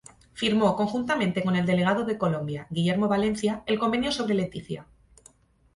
Firmó conjuntamente con el delegado de Colombia, Guillermo Valencia, el convenio sobre Leticia.